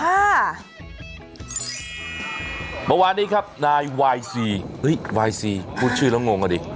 ค่ะประวัตินี้ครับนายวายซีอุ๊ยวายซีพูดชื่อแล้วงงอ่ะดิ